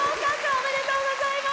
おめでとうございます。